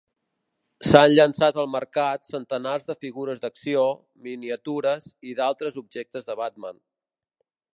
S'han llançat al mercat centenars de figures d'acció, miniatures i d'altres objectes de Batman.